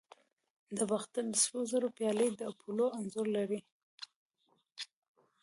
د باختر د سرو زرو پیالې د اپولو انځور لري